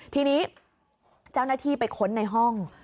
ทีนี้เจ้าหน้าที่ไปค้นในห้อง